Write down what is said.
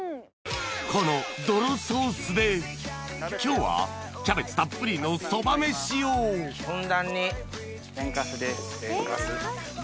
このどろソースで今日はキャベツたっぷりのそばめしを天かすです。